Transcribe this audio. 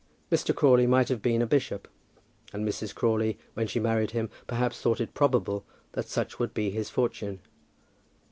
Mr. Crawley might have been a bishop, and Mrs. Crawley, when she married him, perhaps thought it probable that such would be his fortune.